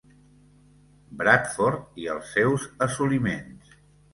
Bradford i els seus assoliments.